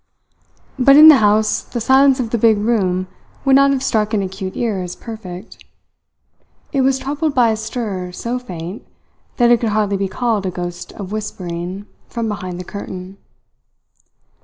But in the house the silence of the big room would not have struck an acute ear as perfect. It was troubled by a stir so faint that it could hardly be called a ghost of whispering from behind the curtain.